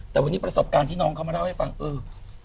แต่วันนี้ประสบการณ์ที่น้องเขามาเล่าให้ฟังเออ